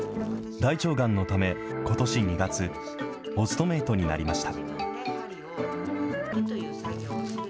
大腸がんのため、ことし２月、オストメイトになりました。